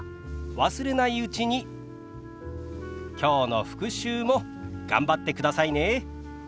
忘れないうちにきょうの復習も頑張ってくださいね。